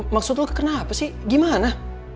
maksud lo kenapa sih gimana